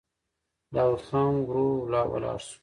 داوود خان ورو ولاړ شو.